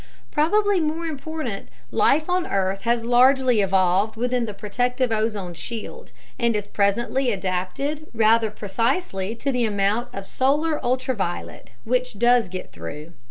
Probably more important, life on earth has largely evolved within the protective ozone shield and is presently adapted rather precisely to the amount of solar ultraviolet which does get through.